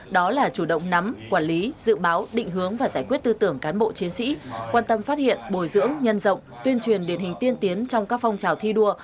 đó là chủ động nắm quản lý dự báo định hướng và giải quyết tư tưởng cán bộ chiến sĩ quan tâm phát hiện bồi dưỡng nhân rộng tuyên truyền điển hình tiên tiến trong các phong trào thi đua